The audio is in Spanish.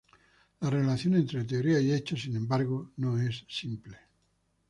La relación entre teoría y hechos, sin embargo, no es simple.